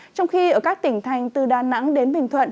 trong khi ở các tỉnh thành từ đà nẵng đến bình thuận